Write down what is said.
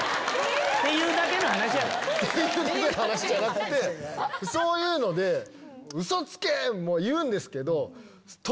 っていうだけの話や。っていうだけの話じゃなくてそういうので「ウソつけ！」も言うんですけど。